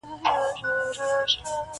• نه پنځه یو نه پنځه زره کلن یو -